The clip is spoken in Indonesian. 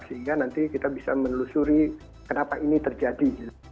sehingga nanti kita bisa menelusuri kenapa ini terjadi